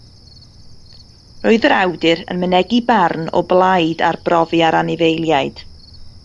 Roedd yr awdur yn mynegi barn o blaid arbrofi ar anifeiliaid